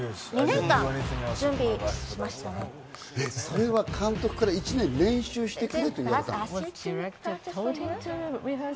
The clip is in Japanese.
それは監督から１年練習してきてって言われたんですか？